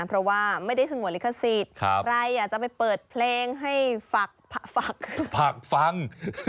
เพราะว่าไม่ได้สงวนลิขสิทธิ์ใครอยากจะไปเปิดเพลงให้ฝากฟัง